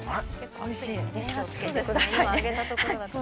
◆おいしー。